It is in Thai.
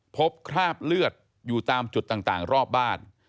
คราบเลือดอยู่ตามจุดต่างรอบบ้าน